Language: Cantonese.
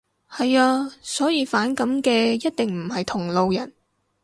係呀。所以反感嘅一定唔係同路人